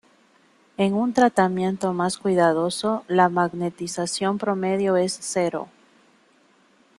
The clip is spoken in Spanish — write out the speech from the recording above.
En un tratamiento más cuidadoso, la magnetización promedio es cero.